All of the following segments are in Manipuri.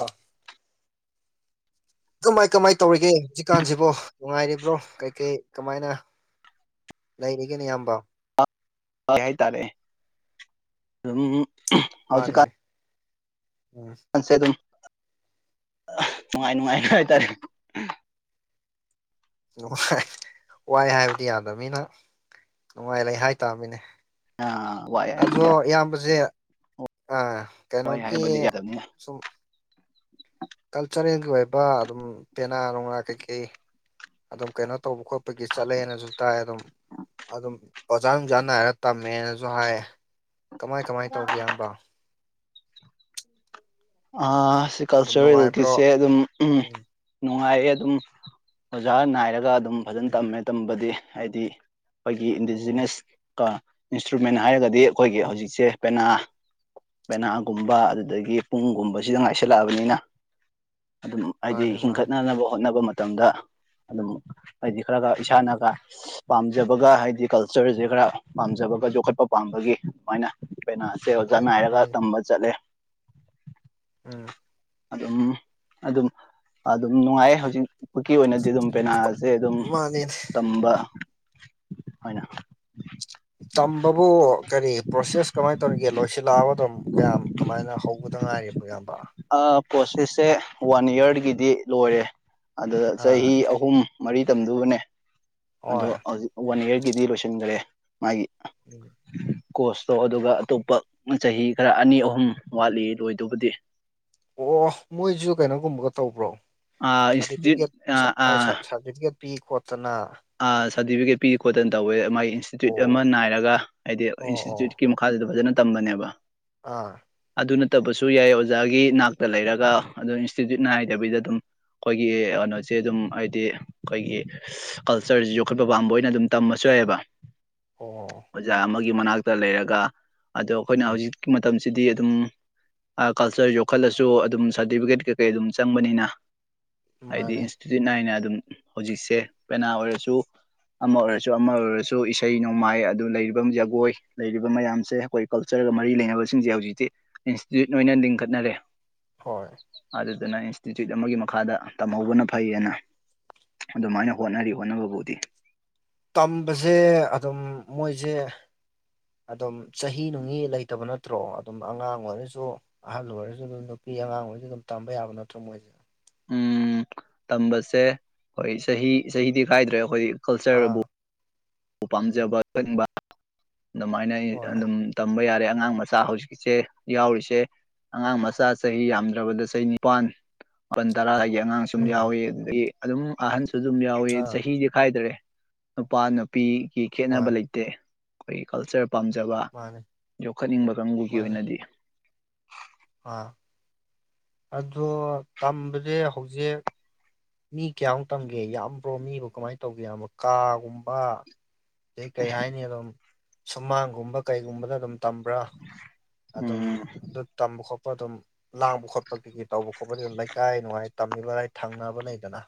ꯑꯥ ꯀꯃꯥꯏ ꯀꯃꯥꯏ ꯇꯧꯔꯤꯒꯦ ꯍꯧꯖꯤꯛꯀꯥꯟꯁꯤꯕꯣ ꯅꯨꯡꯉꯥꯏꯔꯤꯕ꯭ꯔꯣ ꯀꯩ ꯀꯩ ꯀꯃꯥꯏꯅ ꯂꯩꯔꯤꯒꯦꯅꯦ ꯏꯌꯥꯝꯕ ꯀꯩ ꯍꯥꯏꯇꯥꯔꯦ ꯑꯗꯨꯝ ꯃꯥꯅꯤꯅꯦ ꯎꯝ ꯁꯦ ꯑꯗꯨꯝ ꯅꯨꯡꯉꯥꯏ ꯅꯨꯡꯉꯥꯏ ꯍꯥꯏꯇꯥꯔꯦ ꯅꯨꯡꯉꯥꯏ ꯋꯥꯏ ꯍꯥꯏꯕꯗꯤ ꯌꯥꯗꯃꯤꯅ ꯅꯨꯡꯉꯥꯏ ꯍꯥꯏꯇꯥꯃꯤꯅꯦ ꯋꯥꯏ ꯍꯥꯏꯕꯗꯤ ꯑꯗꯣ ꯏꯌꯥꯝꯕꯁꯦ ꯋꯥꯏ ꯀꯩꯅꯣꯒꯤ ꯍꯥꯏꯕꯗꯤ ꯌꯥꯗꯕꯅꯤ ꯁꯨꯝ ꯀꯜꯆꯔꯦꯜꯒꯤ ꯑꯣꯏꯕ ꯑꯗꯨꯝ ꯄꯦꯅꯥ ꯅꯨꯡꯅꯥꯥ ꯀꯩꯀꯩ ꯑꯗꯨꯝ ꯀꯩꯅꯣ ꯇꯧꯕ ꯈꯣꯠꯄꯒꯤ ꯆꯠꯂꯦꯅꯁꯨ ꯇꯥꯏ ꯑꯗꯨꯝ ꯑꯗꯨꯝ ꯑꯣꯖꯥ ꯅꯨꯡꯖꯥꯥ ꯅꯥꯏꯔ ꯇꯝꯃꯦꯅꯖꯨ ꯍꯥꯏ ꯀꯃꯥꯏ ꯀꯃꯥꯏ ꯇꯧꯒꯦ ꯏꯌꯝꯕ ꯑ ꯁꯤ ꯑꯗꯨꯝ ꯅꯨꯡꯉꯥꯏꯕ꯭ꯔꯣ ꯀꯜꯆꯔꯦꯜꯒꯤꯁꯦ ꯑꯗꯨꯝ ꯎꯝ ꯅꯨꯡꯉꯥꯏꯌꯦ ꯑꯗꯨꯝ ꯑꯣꯖꯥ ꯅꯥꯏꯔꯒ ꯑꯗꯨꯝ ꯐꯖꯟ ꯎꯝ ꯇꯝꯃꯦ ꯇꯝꯕꯗꯤ ꯍꯥꯏꯗꯤ ꯑꯩꯈꯣꯏꯒꯤ ꯑꯣ ꯏꯟꯗꯤꯖꯤꯅ꯭ꯁ ꯀꯣ ꯏꯟꯁꯇ꯭ꯔꯨꯃꯦꯟ ꯍꯥꯏꯔꯒꯗꯤ ꯑꯩꯈꯣꯏꯒꯤ ꯎꯝ ꯍꯧꯖꯤꯛꯁꯦ ꯄꯦꯅꯥ ꯄꯦꯅꯥꯒꯨꯝꯕ ꯑꯗꯨꯗꯒꯤ ꯄꯨꯡꯒꯨꯝꯕꯁꯤꯗ ꯉꯥꯏꯁꯜꯂꯛꯑꯕꯅꯤꯅ ꯑꯗꯨꯝ ꯍꯥꯏꯗꯤ ꯃꯥꯅꯦ ꯃꯥꯅꯦ ꯍꯤꯡꯒꯠꯅꯅꯕ ꯍꯣꯠꯅꯕ ꯃꯇꯝꯗ ꯑꯗꯨꯝ ꯍꯥꯏꯗꯤ ꯈꯔꯒ ꯏꯁꯥꯅꯒ ꯄꯥꯝꯖꯕꯒ ꯍꯥꯏꯗꯤ ꯀꯜꯆꯔꯁꯦ ꯈꯔ ꯄꯥꯝꯖꯕꯒ ꯌꯣꯛꯈꯠꯄ ꯄꯥꯝꯕꯒꯤ ꯑꯗꯨꯃꯥꯏꯅ ꯄꯦꯅꯥ ꯁꯦ ꯑꯣꯖꯥ ꯍꯣꯏ ꯅꯥꯏꯔꯒ ꯍꯣꯏ ꯇꯝꯕ ꯆꯠꯂꯦ ꯎꯝ ꯑꯗꯨꯝ ꯑꯗꯨꯝ ꯑꯗꯨꯝ ꯅꯨꯡꯉꯥꯏ ꯍꯧꯖꯤꯛꯄꯨꯛꯀꯤ ꯑꯣꯏꯅꯗꯤ ꯑꯗꯨꯝ ꯄꯦꯅꯥ ꯁꯦ ꯑꯗꯨꯝ ꯃꯥꯅꯦꯅꯦ ꯇꯝꯕ ꯑꯣꯏꯅ ꯇꯝꯕꯕꯨ ꯀꯔꯤ ꯄ꯭ꯔꯣꯁꯦꯁ ꯀꯃꯥꯏ ꯇꯧꯔꯤꯒꯦ ꯂꯣꯏꯁꯤꯜꯂꯛꯑꯕꯣ ꯑꯗꯨꯝ ꯀꯌꯥꯝ ꯀꯃꯥꯏꯅ ꯍꯧꯕꯗ ꯉꯥꯏꯔꯤꯕꯣ ꯏꯌꯥꯝꯕ ꯄꯣꯁꯦꯁꯁꯦ ꯋꯥꯟ ꯌꯥꯔꯒꯤꯗꯤ ꯂꯣꯏꯔꯦ ꯑꯗꯨꯗ ꯆꯍꯤ ꯑꯥ ꯍꯨꯝ ꯃꯔꯤ ꯇꯝꯗꯨꯕꯅꯦ ꯑꯗꯣ ꯍꯣꯏ ꯍꯧꯖꯤꯛ ꯋꯥꯟ ꯏꯌꯥꯔꯒꯤꯗꯤ ꯂꯣꯏꯁꯟꯒꯔꯦ ꯃꯥꯒꯤ [unintelligible] ꯀꯣꯁꯇꯣ ꯑꯗꯨꯒ ꯑꯇꯣꯞꯄ ꯆꯍꯤ ꯈꯔ ꯑꯅꯤ ꯑꯍꯨꯝ ꯋꯥꯠꯂꯤ ꯂꯣꯏꯗꯨꯕꯨꯗꯤ ꯑꯣ ꯃꯣꯏꯁꯨ ꯀꯩꯅꯣꯒꯨꯝꯕꯒ ꯇꯧꯕ꯭ꯔꯣ ꯏꯟꯁꯇꯤꯇ꯭ꯌꯨꯠ ꯁꯥꯔꯇꯤꯐꯤꯀꯦꯠ ꯁꯥꯔꯇꯤꯐꯤꯀꯦꯠ ꯄꯤ ꯈꯣꯠꯇꯅ ꯑ ꯁꯥꯔꯇꯤꯐꯤꯀꯦꯠ ꯄꯤ ꯈꯣꯠꯇꯅ ꯇꯧꯋꯦ ꯃꯥꯒꯤ ꯏꯟꯁꯇꯤꯇ꯭ꯌꯨꯠ ꯑꯃ ꯑꯣ ꯅꯥꯏꯔꯒ ꯍꯥꯏꯗꯤ ꯑꯣ ꯑꯣ ꯏꯟꯁꯇꯤꯇ꯭ꯌꯨꯠꯀꯤ ꯃꯈꯥꯁꯤꯗ ꯐꯖꯅ ꯇꯝꯕꯅꯦꯕ ꯑꯥ ꯑꯗꯨ ꯅꯠꯇꯕꯁꯨ ꯌꯥꯏ ꯑꯣꯖꯥꯒꯤ ꯅꯥꯛꯇ ꯂꯩꯔꯒ ꯑꯗꯨꯝ ꯏꯟꯁꯇꯤꯇ꯭ꯌꯨꯠ ꯅꯥꯏꯗꯕꯤꯗ ꯑꯗꯨꯝ ꯈꯣꯏꯒꯤ ꯀꯩꯅꯣꯁꯦ ꯑꯗꯨꯝ ꯍꯥꯏꯗꯤ ꯑꯩꯈꯣꯏꯒꯤ ꯀꯜꯆꯔꯁꯤ ꯌꯣꯛꯈꯠꯄ ꯄꯥꯝꯕ ꯑꯣꯏꯅ ꯑꯗꯨꯝ ꯇꯝꯃꯁꯨ ꯌꯥꯏꯑꯦꯕ ꯑꯣ ꯑꯣꯖꯥ ꯑꯃꯒꯤ ꯃꯅꯥꯛꯇ ꯂꯩꯔꯒ ꯑꯗꯣ ꯑꯩꯈꯣꯏꯅ ꯎꯝ ꯍꯧꯖꯤꯛꯀꯤ ꯃꯇꯝꯁꯤꯗꯤ ꯑꯗꯨꯝ ꯀꯜꯆꯔ ꯌꯣꯛꯈꯠꯂꯁꯨ ꯑꯗꯨꯝ ꯁꯥꯔꯇꯤꯐꯤꯀꯦꯠ ꯀꯩꯀꯩ ꯑꯗꯨꯝ ꯆꯪꯕꯅꯤꯅ ꯍꯥꯏꯗꯤ ꯃꯥꯅꯦ ꯏꯟꯁꯇꯤꯇ꯭ꯌꯨꯠ ꯅꯥꯏꯅ ꯑꯗꯨꯝ ꯍꯧꯖꯤꯛꯁꯦ ꯄꯦꯅꯥ ꯑꯣꯏꯔꯁꯨ ꯑꯃ ꯑꯣꯏꯔꯁꯨ ꯑꯃ ꯑꯣꯏꯔꯁꯨ ꯏꯁꯩ ꯅꯣꯡꯃꯥꯏ ꯑꯗꯨ ꯂꯩꯔꯤꯕ ꯖꯒꯣꯏ ꯂꯩꯔꯤꯕ ꯃꯌꯥꯝꯁꯦ ꯑꯩꯈꯣꯏ ꯀꯜꯆꯔꯒ ꯃꯔꯤ ꯂꯩꯅꯕꯁꯤꯡꯁꯦ ꯍꯧꯖꯤꯛꯇꯤ ꯏꯟꯁꯇꯤꯇ꯭ꯌꯨꯠ ꯑꯣꯏꯅ ꯂꯤꯡꯈꯠꯅꯔꯦ ꯍꯣꯏ ꯑꯗꯨꯗꯨꯅ ꯏꯟꯁꯇꯤꯇ꯭ꯌꯨꯠ ꯑꯃꯒꯤ ꯃꯈꯥꯗ ꯇꯝꯍꯧꯕꯅ ꯐꯩꯑꯅ ꯑꯗꯨꯃꯥꯏꯅ ꯍꯣꯠꯅꯔꯤ ꯍꯣꯠꯅꯕꯕꯨꯗꯤ ꯇꯝꯕꯁꯦ ꯑꯗꯨꯝ ꯃꯣꯏꯁꯦ ꯑꯗꯨꯝ ꯆꯍꯤ ꯅꯨꯡꯅꯤ ꯂꯩꯇꯕ ꯅꯠꯇ꯭ꯔꯣ ꯑꯗꯨꯝ ꯑꯉꯥꯡ ꯑꯣꯏꯔꯁꯨ ꯑꯍꯜ ꯑꯣꯏꯔꯁꯨ ꯑꯗꯨꯝ ꯅꯨꯄꯤ ꯑꯉꯥꯡ ꯑꯣꯏꯏꯁꯨ ꯑꯗꯨꯝ ꯇꯝꯕ ꯌꯥꯕ ꯅꯠꯇ꯭ꯔꯣ ꯃꯣꯏ ꯎꯝ ꯇꯝꯕꯁꯦ ꯑꯩꯈꯣꯏ ꯆꯍꯤ ꯆꯍꯤꯗꯤ ꯈꯥꯏꯗ꯭ꯔꯦ ꯑꯩꯈꯣꯏ ꯑꯥ ꯀꯜꯆꯔꯕꯨ ꯝꯄꯥꯝꯖꯕ [unintelligible] ꯑꯗꯨꯃꯥꯏꯅ ꯍꯣꯏ ꯑꯗꯨꯝ ꯇꯝꯕ ꯌꯥꯔꯦ ꯑꯉꯥꯡ ꯃꯆꯥ ꯍꯧꯖꯤꯛꯁꯦ ꯌꯥꯎꯔꯤꯁꯦ ꯑꯉꯥꯡ ꯃꯆꯥ ꯆꯍꯤ ꯌꯥꯝꯗ꯭ꯔꯕꯗ ꯆꯍꯤ ꯅꯤꯄꯥꯥꯟ ꯃꯥꯄꯜ ꯇꯔꯥ ꯍꯥꯏꯒꯤ ꯑꯉꯥꯡ ꯁꯨꯝ ꯎꯝ ꯌꯥꯎꯏ ꯑꯗꯨꯗꯒꯤ ꯑꯗꯨꯝ ꯑꯍꯟꯁꯨ ꯑꯗꯨꯝ ꯌꯥꯎꯋꯤ ꯑꯥ ꯆꯍꯤꯗꯤ ꯈꯥꯏꯗꯔꯦ ꯅꯨꯄꯥ ꯅꯨ ꯅꯨꯄꯤꯒꯤ ꯈꯦꯠꯅꯕ ꯍꯣꯏ ꯂꯩꯇꯦ ꯑꯩꯈꯣꯏꯒꯤ ꯀꯜꯆꯔ ꯄꯥꯝꯖꯕ ꯃꯥꯅꯤ ꯌꯣꯛꯈꯠꯅꯤꯡꯕ ꯀꯥꯡꯕꯨꯒꯤ ꯃꯥꯅꯤ ꯑꯣꯏꯅꯗꯤ ꯑꯥ ꯑꯗꯣ ꯇꯝꯕꯖꯦ ꯍꯧꯖꯤꯛ ꯃꯤ ꯀꯌꯥꯃꯨꯛ ꯇꯝꯒꯦ ꯌꯥꯝꯕ꯭ꯔꯣ ꯃꯤꯕꯨ ꯀꯃꯥꯏꯅ ꯇꯧꯒꯦ ꯌꯥꯝꯕ ꯀꯥꯒꯨꯝꯕ ꯑꯗꯩ ꯀꯩ ꯍꯥꯏꯅꯤ ꯑꯗꯨꯝ ꯁꯨꯃꯥꯡꯒꯨꯝꯕ ꯀꯩꯒꯨꯝꯕꯗ ꯑꯗꯨꯝ ꯇꯝꯕ꯭ꯔꯥ [inaudible] ꯑꯗꯨꯝ ꯎꯝ ꯑꯗꯨ ꯇꯝꯕ ꯈꯣꯠꯄ ꯑꯗꯨꯝ ꯂꯥꯡꯕ ꯈꯣꯠꯄꯗꯒꯤ ꯇꯧꯕ ꯈꯣꯠꯄꯗꯤ ꯑꯗꯨꯝ ꯂꯩꯀꯥꯏ ꯅꯨꯡꯉꯥꯏ ꯇꯝꯃꯤꯕꯔꯥꯏ ꯊꯪꯅꯕ ꯂꯩꯗꯅ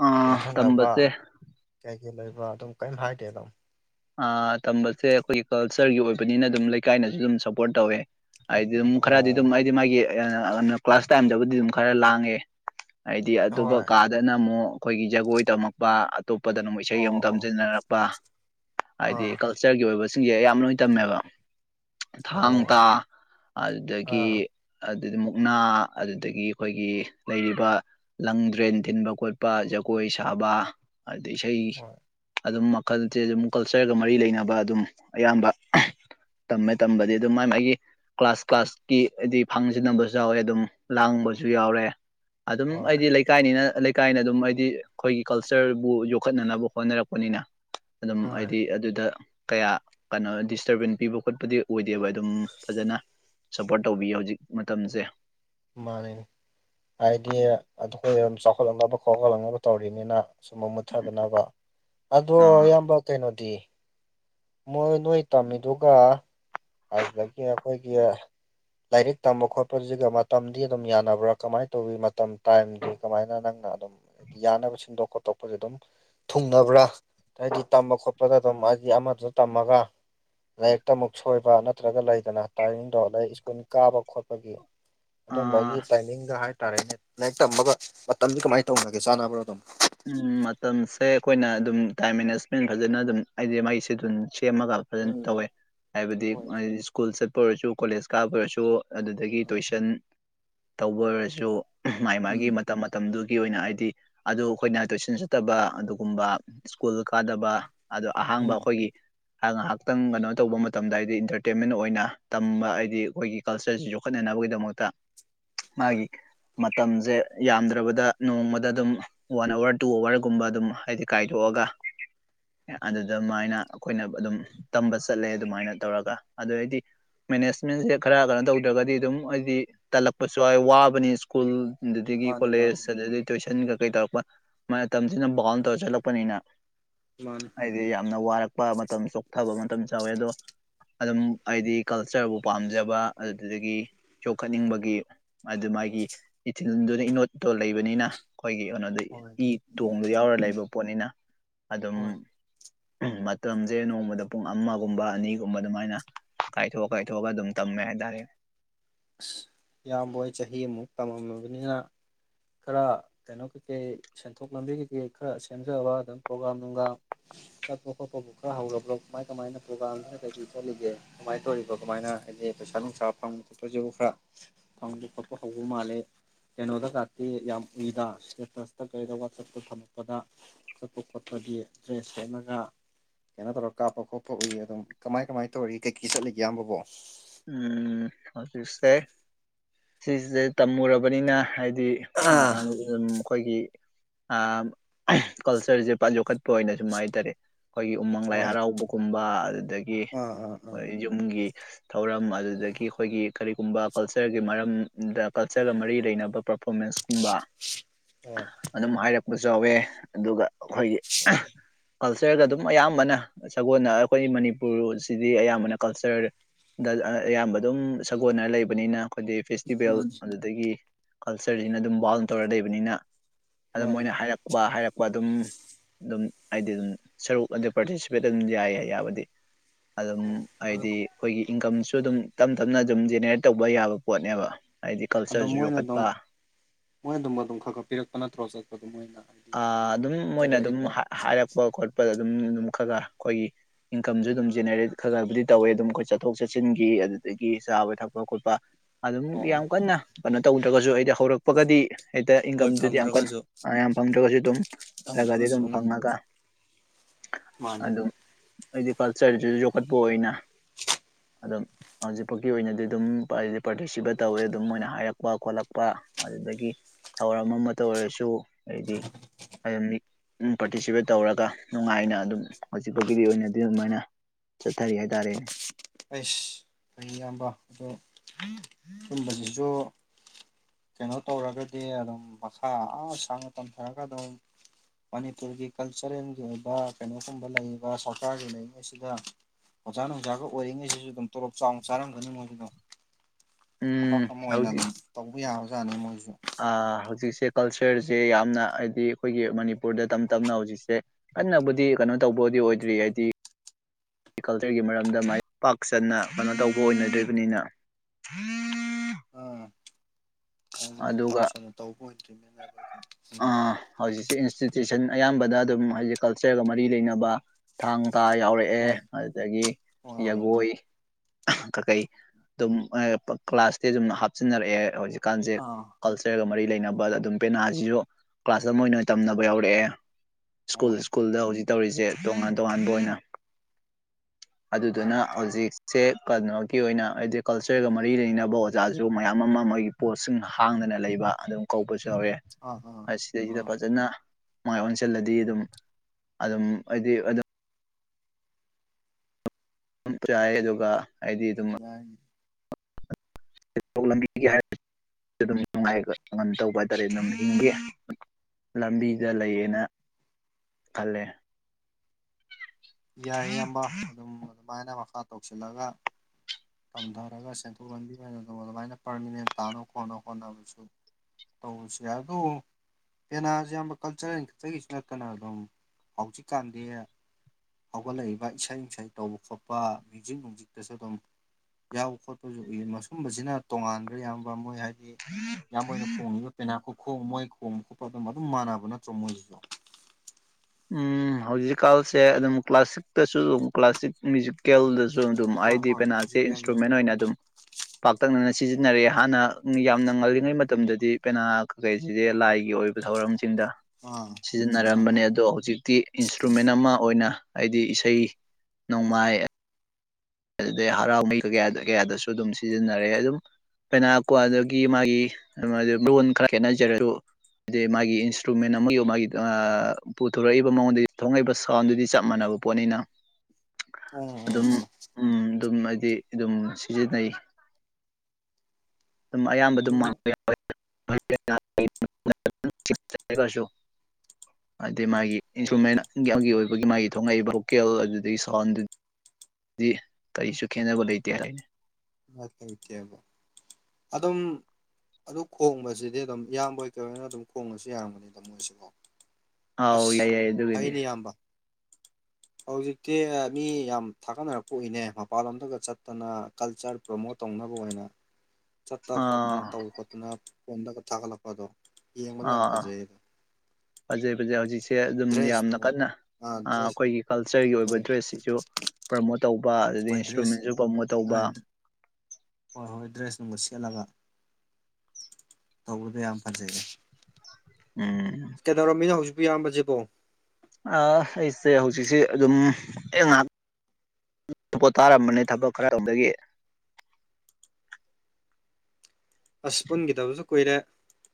ꯑꯥ ꯌꯨꯝꯊꯪꯅꯕ ꯇꯝꯕꯁꯦ ꯀꯩ ꯀꯩ ꯂꯩꯕ ꯑꯗꯨꯝ ꯀꯔꯤꯝ ꯍꯥꯏꯗꯦ ꯑꯗꯨꯝ ꯇꯝꯕꯁꯦ ꯑꯩꯈꯣꯏꯒꯤ ꯀꯜꯆꯔꯒꯤ ꯑꯣꯏꯕꯅꯤꯅ ꯑꯗꯨꯝ ꯂꯩꯀꯥꯏꯅꯁꯨ ꯑꯗꯨꯝ ꯁꯞꯄꯣꯔꯠ ꯇꯧꯋꯦ ꯍꯥꯏꯗꯤ ꯑꯗꯨꯝ ꯈꯔꯗꯤ ꯑꯗꯨꯝ ꯑꯣ ꯑꯩꯗꯤ ꯃꯥꯒꯤ ꯀ꯭ꯂꯥꯁ ꯇꯥꯏꯝꯗꯕꯨꯗꯤ ꯑꯗꯨꯝ ꯈꯔ ꯂꯥꯡꯉꯦ ꯍꯥꯏꯗꯤ ꯑꯗꯨꯕꯨ ꯍꯣꯏ ꯀꯥꯗꯅ ꯑꯃꯨꯛ ꯑꯩꯈꯣꯏꯒꯤ ꯖꯒꯣꯏ ꯇꯝꯃꯛꯄ ꯑꯇꯣꯞꯄꯗ ꯑꯃꯨꯛ ꯏꯁꯩ ꯑꯣ ꯑꯃꯨꯛ ꯑꯣ ꯇꯝꯖꯤꯟꯅꯔꯛꯄ ꯍꯥꯏꯗꯤ ꯑꯥ ꯀꯜꯆꯔꯒꯤ ꯑꯣꯏꯕꯁꯤꯡꯁꯦ ꯑꯌꯥꯝꯕ ꯂꯣꯏ ꯇꯝꯃꯦꯕ ꯊꯥꯡ ꯑꯣ ꯇꯥ ꯑꯗꯨꯗꯒꯤ ꯑꯥ ꯑꯗꯨꯗꯤ ꯃꯨꯛꯅꯥ ꯑꯗꯨꯗꯒꯤ ꯑꯩꯈꯣꯏꯒꯤ ꯂꯩꯔꯤꯕ ꯂꯪ ꯗ꯭ꯔꯦꯟ ꯊꯤꯟꯕ ꯈꯣꯠꯄ ꯖꯒꯣꯏ ꯁꯥꯕ ꯑꯗꯤ ꯏꯁꯩ ꯍꯣꯏ ꯑꯗꯨꯝ ꯃꯈꯜꯁꯦ ꯑꯗꯨꯝ ꯀꯜꯆꯔꯒ ꯃꯔꯤ ꯂꯩꯅꯕ ꯑꯗꯨꯝ ꯑꯌꯥꯝꯕ ꯇꯝꯃꯦ ꯇꯝꯕꯗꯤ ꯑꯗꯨꯝ ꯃꯥꯏ ꯃꯥꯒꯤ ꯀ꯭ꯂꯥꯁ ꯀ꯭ꯂꯥꯁꯀꯤ ꯍꯥꯏꯗꯤ ꯐꯥꯡꯖꯤꯟꯅꯕꯁꯨ ꯌꯥꯎꯋꯦ ꯑꯗꯨꯝ ꯂꯥꯡꯕꯁꯨ ꯌꯥꯎꯔꯦ ꯑꯗꯨꯝ ꯍꯣꯏ ꯍꯥꯏꯗꯤ ꯂꯥꯏꯛ ꯂꯩꯀꯥꯏꯅꯤꯅ ꯂꯩꯀꯥꯏꯅ ꯑꯗꯨꯝ ꯍꯥꯏꯗꯤ ꯑꯩꯈꯣꯏꯒꯤ ꯀꯜꯆꯔꯕꯨ ꯌꯣꯛꯈꯠꯅꯅꯕ ꯍꯣꯠꯅꯔꯛꯄꯅꯤꯅ ꯑꯗꯨꯝ ꯍꯣꯏ ꯑꯗꯨꯗ ꯀꯌꯥ ꯀꯩꯅꯣ ꯗꯤꯁꯇꯔꯕꯦꯟ ꯄꯤꯕ ꯈꯣꯠꯄꯗꯤ ꯑꯣꯏꯗꯦꯕ ꯑꯗꯨꯝ ꯐꯖꯅ ꯁꯞꯄꯣꯔꯠ ꯇꯧꯕꯤꯌꯦ ꯍꯧꯖꯤꯛ ꯃꯇꯝꯁꯦ ꯃꯥꯅꯤꯅꯦ ꯍꯥꯏꯗꯤ ꯑꯩꯈꯣꯏ ꯑꯗꯨꯝ ꯆꯥꯎꯈꯠꯂꯛꯅꯕ ꯈꯣꯀꯠꯂꯛꯅꯕ ꯇꯧꯔꯤꯅꯤꯅ ꯁꯨꯝ ꯃꯨꯠꯊꯗꯅꯕ ꯑꯗꯣ ꯑꯥ ꯑꯌꯥꯝꯕ ꯀꯩꯅꯣꯗꯤ ꯃꯣꯏ ꯅꯣꯏ ꯇꯝꯃꯤꯗꯨꯒ ꯑꯗꯨꯗꯒꯤ ꯑꯩꯈꯣꯏꯒꯤ ꯂꯥꯏꯔꯤꯛ ꯇꯝꯕ ꯈꯣꯠꯄꯁꯤꯒ ꯃꯇꯝꯗꯤ ꯑꯗꯨꯝ ꯌꯥꯅꯕ꯭ꯔꯥ ꯀꯃꯥꯏꯅ ꯇꯧꯋꯤ ꯃꯇꯝ ꯇꯥꯏꯝꯗꯤ ꯀꯃꯥꯏꯅ ꯅꯪꯅ ꯑꯗꯨꯝ ꯍꯥꯏꯗꯤ ꯌꯥꯅꯕ ꯁꯤꯟꯗꯣꯛ ꯈꯣꯠꯇꯣꯛꯄꯁꯦ ꯑꯗꯨꯝ ꯊꯨꯡꯅꯕ꯭ꯔꯥ ꯍꯥꯏꯗꯤ ꯇꯝꯕ ꯈꯣꯠꯄꯗ ꯑꯗꯨꯝ ꯍꯥꯏꯗꯤꯒꯤ ꯑꯃꯗꯨꯗ ꯇꯝꯃꯒ ꯂꯥꯏꯔꯤꯛꯇ ꯑꯃꯨꯛ ꯁꯣꯏꯕ ꯅꯠꯇ꯭ꯔꯒ ꯂꯩꯗꯅ ꯇꯥꯏꯃꯤꯡꯗꯣ ꯂꯥꯏꯔꯤꯛ ꯁ꯭ꯀꯨꯜ ꯀꯥꯕ ꯈꯣꯠꯄꯒꯤ ꯑꯗꯨꯝꯕꯒꯤ ꯑꯥ ꯇꯥꯏꯃꯤꯡꯒ ꯍꯥꯏꯇꯥꯔꯦꯅꯦ ꯂꯥꯏꯏꯔꯤꯛ ꯇꯝꯃꯒ ꯃꯇꯝꯗꯤ ꯀꯃꯥꯏꯅ ꯇꯧꯅꯒꯦ ꯆꯥꯅꯕ꯭ꯔꯣ ꯑꯗꯨꯝ ꯎꯝ ꯃꯇꯝꯁꯦ ꯑꯩꯈꯣꯏꯅ ꯑꯗꯨꯝ ꯇꯥꯏꯝ ꯃꯦꯅꯦꯖꯃꯦꯟ ꯐꯖꯅ ꯑꯗꯨꯝ ꯍꯥꯏꯗꯤ ꯃꯒꯤ ꯑꯗꯨꯝ ꯁꯦꯝꯃꯒ ꯐꯖꯅ ꯎꯝ ꯇꯧꯋꯦ ꯍꯣꯏ ꯍꯥꯏꯕꯗꯤꯗꯤ ꯁ꯭ꯀꯨꯜ ꯆꯠꯄ ꯑꯣꯏꯔꯁꯨ ꯀꯣꯂꯦꯖ ꯀꯥꯕ ꯑꯣꯏꯔꯁꯨ ꯑꯗꯨꯗꯒꯤ ꯑ ꯇꯨꯏꯁꯟ ꯇꯧꯕ ꯑꯣꯏꯔꯁꯨ ꯃꯥꯥꯏ ꯃꯥꯒꯤ ꯎꯝ ꯃꯇꯝ ꯃꯇꯝꯗꯨꯒꯤ ꯑꯣꯏꯅ ꯍꯥꯏꯗꯤ ꯑꯗꯨ ꯑꯩꯈꯣꯏꯅ ꯇꯨꯏꯁꯟ ꯆꯠꯇꯕ ꯑꯗꯨꯒꯨꯝꯕ ꯁ꯭ꯀꯨꯜ ꯀꯥꯗꯕ ꯑꯗꯣ ꯑꯍꯥꯡꯕ ꯎꯝ ꯑꯩꯈꯣꯏꯒꯤ ꯉꯥꯏꯍꯥꯛꯇꯪ ꯀꯩꯅꯣ ꯇꯧꯕ ꯃꯇꯝꯗ ꯍꯥꯏꯗꯤ ꯏꯟꯇꯔꯇꯦꯟꯃꯦꯟ ꯑꯣꯏꯅ ꯇꯝꯕ ꯍꯥꯏꯗꯤ ꯑꯩꯈꯣꯏꯒꯤ ꯀꯜꯆꯔꯁꯤ ꯌꯣꯛꯈꯠꯅꯅꯕꯒꯤꯗꯃꯛꯇ ꯍꯣꯏ ꯃꯥꯒꯤ ꯃꯇꯝꯁꯦ ꯌꯥꯝꯗ꯭ꯔꯕꯗ ꯅꯣꯡꯃꯗ ꯑꯗꯨꯝ ꯋꯥꯟ ꯑꯋꯥꯔ ꯇꯨ ꯑꯋꯥꯔꯒꯨꯝꯕ ꯑꯗꯨꯝ ꯍꯥꯏꯗꯤ ꯀꯥꯏꯗꯣꯛꯑꯒ ꯑꯗꯨꯗꯃꯥꯏꯅ ꯑꯩꯈꯣꯏꯅ ꯑꯗꯨꯝ ꯇꯝꯕ ꯆꯠꯂꯦ ꯑꯗꯨꯃꯥꯏꯅ ꯇꯧꯔꯒ ꯑꯗꯨꯩꯗꯤ ꯃꯦꯅꯦꯁꯃꯦꯟꯁꯦ ꯈꯔ ꯀꯩꯅꯣ ꯇꯧꯗ꯭ꯔꯒꯗꯤ ꯑꯗꯨꯝ ꯍꯥꯏꯗꯤ ꯇꯜꯂꯛꯄꯁꯨ ꯌꯥ ꯋꯥꯕꯅꯤ ꯁ꯭ꯀꯨꯜ ꯑꯗꯨꯗꯒꯤ ꯃꯥꯅꯦ ꯃꯥꯅꯦ ꯀꯣꯂꯦꯖ ꯑꯗꯒꯤ ꯇꯨꯋꯏꯁꯟ ꯀꯩ ꯀꯩ ꯇꯧꯔꯛꯄ ꯃ ꯇꯝ ꯊꯤꯅ ꯥꯎꯜ ꯇꯧꯔ ꯆꯠꯂꯛꯄꯅꯤꯅ ꯃꯥꯅꯦ ꯍꯥꯏꯗꯤ ꯌꯥꯝꯅ ꯋꯥꯔꯛꯄ ꯃꯇꯝ ꯆꯣꯛꯊꯕ ꯃꯇꯝ ꯆꯥꯎꯋꯦ ꯑꯗꯣ ꯑꯗꯨꯝ ꯑꯩꯗꯤ ꯀꯜꯆꯔꯕꯨ ꯄꯥꯝꯖꯕ ꯑꯗꯨꯗꯒꯤ ꯌꯣꯛꯈꯠꯅꯤꯡꯕꯒꯤ ꯑꯗꯨ ꯃꯥꯒꯤ ꯏꯊꯤꯟꯜꯗꯨꯅ ꯏꯅꯣꯠꯇꯣ ꯂꯩꯕꯅꯤꯅ ꯑꯩꯈꯣꯏꯒꯤ ꯀꯩꯅꯣꯗ ꯍꯣꯏ ꯏ ꯇꯣꯡꯗ ꯌꯥꯎꯔ ꯂꯩꯕ ꯄꯣꯠꯅꯤꯅ ꯑꯗꯨꯝ ꯍꯣꯏ ꯃꯇꯝꯁꯦ ꯅꯣꯡꯃꯗ ꯄꯨꯡ ꯑꯃꯒꯨꯝꯕ ꯑꯅꯤꯒꯨꯝꯕ ꯑꯗꯨꯃꯥꯏꯅ ꯀꯥꯏꯊꯣꯛꯑ ꯀꯥꯏꯊꯣꯛꯑꯒ ꯑꯗꯨꯝ ꯇꯝꯃꯦ ꯍꯥꯏꯇꯥꯔꯦ ꯑ ꯏꯌꯥꯝꯕꯣꯏ ꯆꯍꯤ ꯑꯃꯨꯛ ꯇꯝꯃꯝꯃꯕꯅꯤꯅ ꯈꯔ ꯀꯩꯅꯣ ꯀꯩꯀꯩ ꯁꯦꯟꯊꯣꯛ ꯂꯝꯕꯤ ꯀꯩꯀꯩ ꯈꯔ ꯁꯦꯝꯖꯕ ꯑꯗꯨꯝ ꯄ꯭ꯔꯣꯒꯥ꯭ꯔꯒꯥꯝ ꯅꯨꯡꯒꯥꯝ ꯆꯠꯄ ꯈꯣꯠꯄꯕꯨ ꯈꯔ ꯍꯧꯔꯕ꯭ꯔꯣ ꯀꯃꯥꯏ ꯀꯃꯥꯏꯅ ꯄ꯭ꯔꯣꯒꯥꯝꯁꯤꯅ ꯀꯩ ꯀꯩ ꯊꯣꯛꯠꯂꯤꯒꯦ ꯀꯃꯥꯏꯅ ꯇꯧꯔꯤꯕꯣ ꯀꯃꯥꯏꯅ ꯍꯥꯏꯗꯤ ꯄꯩꯁꯥ ꯅꯨꯡꯁꯥ ꯐꯪꯕ ꯈꯣꯇꯣꯏꯁꯤꯕꯨ ꯈꯔ ꯐꯪ ꯈꯞ ꯍꯧꯕ ꯃꯥꯂꯦ ꯌꯦꯅꯣꯗ ꯀ ꯌꯥꯝ ꯎꯨꯏꯗ ꯏꯁꯇꯦꯇꯁꯇ ꯀꯩꯗ ꯋꯥꯆꯞꯇ ꯊꯝꯃꯛꯄꯗ ꯈꯣꯄ ꯈꯣꯠꯄꯗꯤ ꯗ꯭ꯔꯦꯁ ꯁꯦꯝꯃꯒ ꯀꯩꯅꯣ ꯇꯧꯔ ꯀꯥꯞꯄ ꯈꯣꯠꯄ ꯎꯏ ꯑꯗꯨꯝ ꯀꯃꯥꯏ ꯀꯃꯥꯏ ꯇꯧꯔꯤꯒ ꯀꯩꯀꯩ ꯆꯠꯂꯤꯒ ꯑꯌꯥꯝꯕꯣ ꯎꯝ ꯍꯧꯖꯤꯛꯁꯦ ꯁꯤꯁꯦ ꯇꯝꯃꯨꯔꯕꯅꯤꯅ ꯍꯥꯏꯗꯤ ꯑꯥ ꯑꯩꯈꯣꯏꯒꯤ ꯀꯜꯆꯔꯁꯦ ꯄꯥ ꯌꯣꯛꯈꯠ ꯄ ꯑꯣꯏꯅ ꯁꯨꯝ ꯍꯥꯏꯇꯥꯔꯦ ꯑꯩꯈꯣꯏꯒꯤ ꯎꯃꯪ ꯂꯥꯏ ꯍꯣꯏ ꯍꯔꯥꯎꯕꯒꯨꯝꯕ ꯑꯗꯨꯗꯒꯤ ꯑꯥ ꯑꯥ ꯑꯥ ꯌꯨꯝꯒꯤ ꯊꯧꯔꯝ ꯑꯗꯨꯗꯒꯤ ꯑꯩꯈꯣꯏꯒꯤ ꯀꯔꯤꯒꯨꯝꯕ ꯀꯜꯆꯔꯒꯤ ꯃꯔꯝꯗ ꯀꯜꯆꯔꯒ ꯃꯔꯤ ꯂꯩꯅꯕ ꯄꯔꯐꯣꯔꯃꯦꯟꯁꯀꯨꯝꯕ ꯍ [inaudible] ꯑꯗꯨꯝ ꯍꯥꯏꯔꯛꯄꯁꯨ ꯌꯥꯎꯋꯦ ꯑꯗꯨꯒ ꯑꯩꯈꯣꯏꯒꯤ ꯀꯜꯆꯔꯒ ꯑꯗꯨꯝ ꯑꯌꯥꯝꯕꯅ ꯁꯒꯣꯜꯅ ꯑꯩꯈꯣꯏꯒꯤ ꯃꯅꯤꯄꯨꯔꯁꯤꯗꯤ ꯑꯌꯥꯝꯕꯅ ꯀꯜꯆꯔ ꯗ ꯑꯌꯥꯝꯕ ꯑꯗꯨꯝ ꯁꯥꯒꯣꯟꯅ ꯂꯩꯕꯅꯤꯅ ꯑꯩꯈꯣꯏꯗꯤ ꯐꯦꯁꯇꯤꯚꯦꯜ ꯃꯥꯅꯤ ꯑꯗꯨꯗꯒꯤ ꯀꯜꯆꯔꯁꯤꯅ ꯑꯗꯨꯝ ꯕꯥꯎꯟ ꯇꯧꯔ ꯂꯩꯕꯅꯤꯅ ꯑꯗꯨ ꯃꯥꯅꯦ ꯃꯣꯏꯅ ꯍꯥꯏꯔꯛꯄ ꯍꯥꯏꯔꯛꯄ ꯑꯗꯨꯝ ꯑꯗꯨꯝ ꯍꯥꯏꯗꯤ ꯑꯗꯨꯝ ꯁꯔꯨꯛ ꯑꯗꯨ ꯄꯥꯔꯇꯤꯁꯤꯄꯦꯠ ꯑꯗꯨꯝ ꯌꯥꯏꯌꯦ ꯌꯥꯕꯗꯤ ꯑꯗꯨꯝ ꯑꯣ ꯍꯥꯏꯗꯤ ꯑꯩꯈꯣꯏꯒꯤ ꯏꯟꯀꯝꯁꯨ ꯑꯗꯨꯝ ꯇꯞ ꯇꯞꯅ ꯑꯗꯨꯝ ꯖꯦꯅꯦꯔꯦꯠ ꯇꯧꯕ ꯌꯥꯕ ꯄꯣꯠꯅꯦꯕ ꯍꯥꯏꯗꯤ ꯑꯗꯣ ꯀꯜꯆꯔꯁꯨ ꯃꯣꯏꯅ ꯑꯗꯨꯝ ꯌꯣꯛꯈꯠꯄ ꯃꯣꯏꯅ ꯑꯗꯨꯝꯕ ꯑꯗꯨꯝ ꯈꯔ ꯈꯔ ꯄꯤꯔꯛꯄ ꯅꯠꯇ꯭ꯔꯣ ꯆꯠꯄ ꯑꯗꯨꯝ ꯃꯣꯏꯅ ꯍꯥꯏ ꯑ ꯑꯗꯨꯝ ꯃꯣꯏꯅ ꯑꯗꯨꯝ ꯍꯥꯏꯔꯛꯄ ꯈꯣꯠꯄꯗ ꯑꯗꯨꯝ ꯑꯗꯨꯝ ꯈꯔ ꯈꯔ ꯑꯩꯈꯣꯏꯒꯤ ꯏꯟꯀꯝꯁꯨ ꯑꯗꯨꯝ ꯖꯦꯅꯦꯔꯦꯠ ꯈꯔ ꯈꯔꯕꯨꯗꯤ ꯇꯧꯋꯦ ꯑꯗꯨꯝ ꯑꯩꯈꯣꯏ ꯆꯠꯊꯣꯛ ꯆꯠꯁꯤꯟꯒꯤ ꯑꯗꯨꯗꯒꯤ ꯆꯥꯕ ꯊꯛꯄ ꯈꯣꯠꯄ ꯑꯗꯨꯝ ꯑꯣ ꯌꯥꯝ ꯑꯣ ꯀꯟꯅ ꯀꯩꯅꯣ ꯇꯧꯗ꯭ꯔꯒꯁꯨ ꯑꯩꯗꯤ ꯍꯧꯔꯛꯄꯒꯗꯤ ꯍꯦꯛꯇ ꯍꯣꯏ ꯏꯟꯀꯝꯗꯨꯗꯤ ꯌꯥꯝ ꯀꯟꯅ ꯌꯥꯝꯌꯥꯝ ꯐꯪꯗ꯭ꯔꯒꯁꯨ ꯑꯗꯨꯝ ꯈꯔꯒꯗꯤ ꯐꯪꯗ꯭ꯔꯒꯁꯨ ꯑꯗꯨꯝ ꯎꯝ ꯐꯪꯉꯒ ꯃꯥꯅꯤ ꯑꯗꯨꯝ ꯑꯩꯗꯤ ꯀꯜꯆꯔꯁꯤꯁꯨ ꯌꯣꯛꯈꯠꯄ ꯑꯣꯏꯅ ꯑꯗꯨꯝ ꯍꯧꯖꯤꯛꯐꯥꯎꯒꯤ ꯑꯣꯏꯅꯗꯤ ꯑꯗꯨꯝ ꯄꯥꯔꯇꯤꯁꯤꯄꯦꯠ ꯇꯧꯋꯦ ꯑꯗꯨꯝ ꯃꯣꯏꯅ ꯍꯥꯏꯔꯛꯄ ꯈꯣꯠꯂꯛꯄ ꯑꯗꯨꯗꯒꯤ ꯊꯧꯔꯝ ꯑꯃꯇ ꯑꯣꯏꯔꯁꯨ ꯑꯩꯗꯤ ꯑꯗꯨꯝ ꯄꯥꯔꯇꯤꯁꯤꯄꯦꯠ ꯇꯧꯔꯒ ꯅꯨꯡꯉꯥꯏꯅ ꯑꯗꯨꯝ ꯍꯧꯖꯤꯛꯐꯥꯎꯒꯤꯗꯤ ꯑꯣꯏꯅꯗꯤ ꯑꯗꯨꯃꯥꯏꯅ ꯆꯠꯊꯔꯤ ꯍꯥꯏꯇꯥꯔꯦꯅꯦ ꯑꯩꯁ ꯐ ꯏꯌꯥꯝꯕ ꯑꯗꯣ ꯁꯨꯝꯕꯁꯤꯁꯨ ꯀꯩꯅꯣ ꯇꯧꯔꯒꯗꯤ ꯑꯗꯨꯝ ꯃꯈꯥ ꯁꯥꯡꯅ ꯇꯝꯊꯔꯒ ꯑꯗꯨꯝ ꯃꯅꯤꯄꯨꯔꯒꯤ ꯀꯜꯆꯔꯦꯜꯒꯤ ꯑꯣꯏꯕ ꯀꯩꯅꯣꯒꯨꯝꯕ ꯂꯩꯔꯤꯕ ꯁꯔꯀꯥꯔꯒꯤ ꯂꯩꯔꯤꯉꯩꯁꯤꯗ ꯑꯣꯖꯥꯅꯣ ꯌꯥꯒꯣ ꯑꯣꯏꯔꯤꯉꯩꯁꯤꯁꯨ ꯑꯗꯨꯝ ꯇꯣꯂꯣꯞ ꯆꯥꯎꯅ ꯆꯥꯔꯝꯒꯅꯤ ꯃꯣꯏꯁꯤꯗꯣ ꯎꯝ ꯊꯕꯛ ꯑꯃ ꯑꯣꯏꯅ ꯍꯧꯖꯤꯛ ꯑꯗꯨꯝ ꯇꯧꯕ ꯌꯥꯕꯖꯥꯠꯅꯤ ꯃꯣꯏꯁꯨ ꯍꯧꯖꯤꯛꯁꯦ ꯀꯜꯆꯔꯁꯦ ꯌꯥꯝꯅ ꯍꯥꯏꯕꯗꯤ ꯑꯩꯈꯣꯏꯒꯤ ꯃꯅꯤꯄꯨꯔꯗ ꯇꯞ ꯇꯞꯅ ꯍꯧꯖꯤꯛꯁꯦ ꯀꯟꯅꯕꯨꯗꯤ ꯀꯩꯅꯣ ꯇꯧꯕꯗꯤ ꯑꯣꯏꯗ꯭ꯔꯤ ꯍꯥꯏꯗꯤ ꯑꯦꯒ꯭ꯔꯤꯀꯜꯆꯔꯒꯤ ꯃꯔꯝꯗ ꯃꯥꯏ ꯄꯥꯛ ꯆꯟꯅ ꯀꯩꯅꯣ ꯇꯧꯕ ꯑꯣꯏꯅꯗꯣꯔꯤꯕꯅꯤꯅ ꯎꯥ ꯄꯥꯛ ꯑꯗꯨꯒ ꯁꯟꯅ ꯇꯧꯕ ꯑꯣꯏꯗ꯭ꯔꯤꯕꯅꯤꯅ ꯑꯗꯨ ꯎꯝ ꯑꯥ ꯍꯧꯖꯤꯛꯁꯦ ꯏꯟꯁꯇꯤꯇ꯭ꯌꯨꯁꯟ ꯑꯌꯥꯝꯕꯗ ꯑꯗꯨꯝ ꯍꯧꯖꯤꯛ ꯀꯜꯆꯔꯒ ꯃꯔꯤ ꯂꯩꯅꯕ ꯊꯥꯡ ꯇꯥ ꯌꯥꯎꯔꯛꯑꯦ ꯍꯣꯏ ꯑꯗꯨꯗꯒꯤ ꯍꯣꯏ ꯍꯣꯏ ꯖꯒꯣꯏ ꯀꯀꯩ ꯑꯗꯨꯝ ꯀ꯭ꯂꯥꯁꯇꯤ ꯑꯗꯨꯝ ꯍꯥꯞꯆꯤꯟꯅꯔꯛꯑꯦ ꯍꯧꯖꯤꯛ ꯀꯥꯟꯁꯦ ꯑꯥ ꯀꯜꯆꯔꯒ ꯃꯔꯤ ꯂꯩꯅꯕꯗ ꯑꯗꯨꯝ ꯄꯦꯅꯥꯁꯤꯁꯨ ꯀ꯭ꯂꯥꯁ ꯑꯃ ꯑꯣꯏꯅ ꯇꯝꯅꯕ ꯌꯥꯎꯔꯛꯑꯦ ꯁ꯭ꯀꯨꯜ ꯍꯣꯏ ꯁ꯭ꯀꯨꯜꯗ ꯍꯧꯖꯤꯛ ꯇꯧꯔꯤꯁꯦ ꯇꯣꯉꯥꯟ ꯇꯣꯉꯥꯟꯕ ꯑꯣꯏꯅ ꯑꯗꯨꯗꯨꯅ ꯃꯥꯅꯤ ꯍꯧꯖꯤꯛ ꯁꯦ ꯀꯩꯅꯣꯒꯤ ꯑꯣꯏꯅ ꯍꯥꯏꯗꯤ ꯀꯜꯆꯔꯒ ꯃꯔꯤ ꯂꯩꯅꯕ ꯑꯣꯖꯥꯁꯨ ꯃꯌꯥꯝ ꯑꯃ ꯃꯣꯏ ꯄꯣꯠꯁꯤꯡ ꯍꯥꯡꯗꯅ ꯂꯩꯕ ꯑꯗꯨꯝ ꯀꯧꯕꯁꯨ ꯌꯥꯎꯋꯦ ꯑꯥ ꯑꯥ ꯁꯤꯗꯩꯁꯤꯗ ꯑꯥ ꯐꯖꯅ ꯃꯥꯏ ꯑꯣꯟꯁꯤꯜꯂꯗꯤ ꯑꯗꯨꯝ ꯑꯗꯨꯝ ꯍꯥꯏꯗꯤ ꯑꯗꯨꯝ ꯑꯗꯨꯝ ꯆꯥꯏ ꯑꯗꯨꯒ ꯍꯥꯏꯗꯤ ꯑꯗꯨꯝ ꯇꯥꯏ ꯁꯊꯣꯛ ꯂꯝꯕꯤꯒꯤ ꯍꯥꯏꯔ ꯑꯗꯨꯝ ꯅꯨꯡꯉꯥꯏ ꯇꯧꯕ ꯍꯥꯏꯇꯥꯔꯦ ꯑꯗꯨꯝ ꯍꯤꯡꯕꯌꯥꯏ ꯂꯝꯕꯤꯗ ꯂꯩꯌꯦꯅ ꯈꯜꯂꯦ ꯌꯥꯏ ꯏꯌꯥꯝꯕ ꯑꯗꯨꯝ ꯑꯗꯨꯃꯥꯏꯅ ꯃꯈꯥ ꯇꯧꯁꯤꯜꯂꯒ ꯇꯝꯊꯔꯒ ꯁꯦꯟꯊꯣꯛ ꯂꯝꯕꯤ ꯑꯣꯏꯅ ꯑꯗꯨ ꯑꯗꯨꯃꯥꯏꯅ ꯄꯔꯃꯤꯅꯦꯟ ꯇꯥꯅ ꯈꯣꯠꯅ ꯍꯣꯠꯅꯕꯁꯨ ꯇꯧꯁꯦ ꯑꯗꯣ ꯄꯦꯅꯥꯁꯦ ꯏꯌꯥꯝꯕ ꯀꯜꯆꯔꯦꯜ ꯈꯛꯇꯒꯤꯁꯨ ꯅꯠꯇꯅ ꯑꯗꯨꯝ ꯍꯧꯖꯤꯛꯀꯥꯟꯗꯤ ꯍꯧꯒꯠꯂꯛꯏꯕ ꯏꯁꯩ ꯅꯪꯁꯩ ꯇꯧꯕ ꯈꯣꯠꯄ ꯃ꯭ꯌꯨꯖꯤꯛ ꯅꯨꯡꯖꯤꯛꯇꯁꯨ ꯑꯗꯨꯝ ꯌꯥꯎꯕ ꯈꯣꯠꯄꯁꯨ ꯎꯏ ꯃꯁꯒꯨꯝꯕꯁꯤꯅ ꯇꯣꯉꯥꯟꯕ ꯏꯌꯥꯝꯕ ꯃꯣꯏ ꯍꯥꯏ ꯍꯥꯏꯗꯤ ꯏꯌꯥꯝꯕꯅ ꯈꯣꯡꯉꯤꯕ ꯄꯦꯅꯥꯀ ꯈꯣꯡ ꯃꯣꯏ ꯈꯣꯡꯕ ꯈꯣꯠꯄ ꯑꯗꯨꯝ ꯑꯗꯨꯝ ꯃꯥꯟꯅꯕ ꯅꯠꯇ꯭ꯔꯣ ꯃꯣꯏꯁꯤꯁꯨ ꯎꯝ ꯍꯧꯖꯤꯛꯀꯜꯁꯦ ꯑꯗꯨꯝ ꯀ꯭ꯂꯥꯁꯤꯛꯇꯁꯨ ꯑꯗꯨꯝ ꯀ꯭ꯂꯥꯁꯤꯛ ꯃ꯭ꯌꯨꯖꯤꯀꯦꯜꯗꯁꯨ ꯁꯨ ꯑꯗꯨꯝ ꯍꯣꯏ ꯍꯥꯏꯗꯤ ꯍꯣꯏ ꯄꯦꯅꯥꯁꯦ ꯃ꯭ꯌꯨꯖꯤꯀꯦꯜꯒꯤꯁꯨ ꯏꯟꯁꯇ꯭ꯔꯨꯃꯦꯟ ꯑꯣꯏꯅ ꯑꯗꯨꯝ ꯄꯥꯛꯇꯛꯅꯅ ꯁꯤꯖꯤꯟꯅꯔꯑꯦ ꯍꯥꯟꯅ ꯎꯝ ꯌꯥꯝꯅ ꯉꯜꯂꯤꯉꯩ ꯁꯤꯖꯤꯟꯅꯩ ꯃꯇꯝꯗꯗꯤ ꯄꯦꯅꯥ ꯀꯩ ꯀꯩꯁꯤꯗꯤ ꯂꯥꯏꯒꯤ ꯑꯣꯏꯕ ꯊꯧꯔꯝꯁꯤꯡꯗ ꯑꯥ ꯑꯥ ꯁꯤꯖꯤꯟꯅꯔꯝꯕꯅꯦ ꯂꯥꯏ ꯑꯗꯣ ꯍꯧꯖꯤꯛꯇꯤ ꯏꯟꯁꯇ꯭ꯔꯨꯃꯦꯟ ꯑꯃ ꯑꯣꯏꯅ ꯍꯥꯏꯗꯤ ꯏꯁꯩ ꯅꯣꯡꯃꯥꯏ ꯑꯗꯨꯗꯒꯤ ꯍꯔꯥꯎ ꯀꯨꯃꯩ ꯀꯌꯥ ꯀꯌꯥꯗꯁꯨ ꯑꯗꯨꯝ ꯁꯤꯖꯤꯟꯅꯔꯦ ꯑꯗꯨꯝ ꯑꯩꯈꯣꯏꯅ [unintelligible] ꯃꯥꯒꯤ ꯃꯔꯣꯟ ꯈꯔ ꯈꯦꯠꯅꯖꯔꯁꯨ ꯍꯥꯏꯗꯤ ꯃꯥꯒꯤ ꯏꯟꯁꯇ꯭ꯔꯨꯃꯦꯟ ꯑꯃꯒꯤ ꯃꯥꯒꯤ ꯄꯨꯊꯣꯔꯛꯏꯕ ꯃꯉꯣꯟꯗꯒꯤ ꯊꯣꯛꯉꯛꯏꯕ ꯁꯥꯎꯟꯗꯨꯗꯤ ꯆꯞ ꯃꯥꯟꯅꯕ ꯄꯣꯠꯅꯤꯅ ꯑꯣ ꯑꯣ ꯑꯣ ꯑꯗꯨꯝ ꯑꯗꯨꯝ ꯍꯥꯏꯗꯤ ꯑꯗꯨꯝ ꯁꯤꯖꯤꯟꯅꯩ ꯑꯗꯨꯝ ꯑꯌꯥꯝꯕ ꯑꯗꯨ ꯑꯗꯨꯝ [unintelligible] [unintelligible] ꯑꯗꯩ ꯃꯥꯒꯤ ꯑꯣ ꯏꯟꯁꯇ꯭ꯔꯨꯃꯦꯟꯒꯤ ꯑꯣꯏꯕꯒꯤ ꯃꯥꯒꯤ ꯊꯣꯛꯂꯛꯏꯕ ꯚꯣꯀꯦꯜ ꯑꯗꯨꯗꯒꯤ ꯁꯥꯎꯟꯗꯨ ꯗꯤ ꯀꯔꯤꯁꯨ ꯈꯦꯠꯅꯕ ꯂꯩꯇꯦ ꯍꯥꯏꯇꯥꯏ [unintelligible] ꯑꯗꯨꯝ ꯑꯗꯨ ꯈꯣꯡꯕꯁꯤꯗꯤ ꯑꯗꯨꯝ ꯏꯌꯥꯝꯕ ꯑꯣꯏ ꯀꯩ ꯑꯣꯏꯅ ꯑꯗꯨꯝ ꯈꯣꯡꯉꯁꯨ ꯌꯥꯔꯝꯒꯅꯤꯗ ꯃꯣꯏꯁꯤꯀꯣ ꯑꯥꯎ ꯌꯥꯏ ꯑꯁ ꯌꯥꯏ ꯑꯗꯨꯒꯤꯗꯤ ꯐꯩꯅꯦ ꯏꯌꯥꯝꯕ ꯍꯧꯖꯤꯛꯇꯤ ꯃꯤ ꯌꯥꯝ ꯊꯥꯒꯠꯅꯔꯛꯄ ꯎꯏꯅꯦ ꯃꯄꯥꯟꯂꯣꯝꯗꯒ ꯆꯠꯇꯅ ꯀꯜꯆꯔ ꯄ꯭ꯔꯣꯃꯣꯠ ꯇꯧꯅꯕ ꯑꯣꯏꯅ ꯆꯠꯇ ꯈꯣꯠꯇꯅ ꯑꯥ ꯇꯧꯕ ꯈꯣꯠꯇꯅ ꯐꯣꯟꯗꯒ ꯊꯥꯒꯠꯂꯛꯄꯗꯣ ꯌꯦꯡꯕꯗ ꯌꯥꯝ ꯑꯥ ꯑꯥ ꯐꯖꯩꯌꯦ ꯐꯖꯩ ꯐꯖꯩ ꯍꯧꯖꯤꯛꯁꯦ ꯑꯗꯨꯝ ꯗ꯭ꯔꯦꯁ ꯌꯥꯝꯅ ꯅꯨꯡꯒ ꯀꯟꯅ ꯑꯥ ꯗ꯭ꯔꯦꯁ ꯑꯩꯈꯣꯏꯒꯤ ꯀꯜꯆꯔꯒꯤ ꯍꯣꯏ ꯑꯣꯏꯕ ꯗ꯭ꯔꯦꯁꯁꯤꯁꯨ ꯄ꯭ꯔꯃꯣꯠ ꯇꯧꯕ ꯑꯗꯨꯗꯒꯤ ꯍꯣꯏ ꯗ꯭ꯔꯦꯁ ꯏꯟꯁꯇ꯭ꯔꯨꯃꯦꯟꯁꯨ ꯄ꯭ꯔꯃꯣꯠ ꯇꯧꯕ ꯍꯣꯏ ꯍꯣꯏ ꯍꯣꯏ ꯗ꯭ꯔꯦꯁ ꯅꯨꯡꯕ ꯁꯦꯠꯂꯒ ꯇꯧꯕꯗ ꯌꯥꯝ ꯐꯖꯩꯌꯦꯕ ꯎꯝ ꯀꯩꯗꯧꯔꯕꯝꯃꯤꯅ ꯍꯧꯖꯤꯛꯄꯨ ꯌꯥꯝꯕꯁꯤꯕꯣ ꯑꯥ ꯑꯩꯁꯦ ꯍꯧꯖꯤꯛꯁꯦ ꯑꯗꯨꯝ ꯑꯩ ꯉꯍꯥꯛ ꯄꯣꯠ ꯊꯥꯔꯝꯕꯅꯦ ꯊꯕꯛ ꯈꯔ ꯇꯧꯕꯗꯒꯤ ꯑꯁ ꯄꯨꯟꯈꯤꯗꯕꯁꯨ ꯀꯨꯏꯔꯦ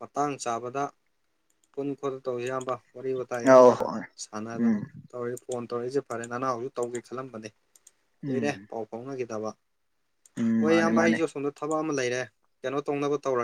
ꯃꯇꯥꯡ ꯆꯥꯕꯗ ꯄꯨꯟ ꯈꯣꯠꯇ ꯇꯧꯁꯤ ꯌꯥꯝꯕ ꯋꯥꯔꯤ ꯋꯥꯇꯥꯏ ꯑꯧ ꯑꯌꯥꯝꯕꯅ ꯍꯣꯏ ꯁꯥꯟꯅꯗꯅ ꯎꯝ ꯇꯧꯔꯦ ꯐꯣꯟ ꯇꯧꯔꯛꯏꯁꯦ ꯐꯔꯦ ꯅꯅꯥꯎꯖꯨ ꯇꯧꯒꯦ ꯈꯜꯂꯝꯕꯅꯦ ꯀꯨꯏꯔꯦ ꯎꯝ ꯄꯥꯎ ꯐꯥꯎꯅꯈꯤꯗꯕ ꯎꯝ ꯍꯣꯏ ꯃꯥꯅꯦ ꯏꯌꯥꯝꯕ ꯃꯥꯅꯦ ꯑꯩꯁꯨ ꯑꯁꯣꯝꯗ ꯊꯕꯛ ꯑꯃ ꯂꯩꯔꯦ ꯀꯩꯅꯣ ꯇꯧꯅꯕ ꯇꯧꯔ